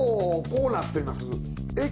こうなってます。